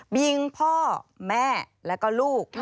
ยิงพ่อแม่แล้วก็ลูก